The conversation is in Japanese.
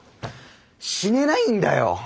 死ねないんだよ！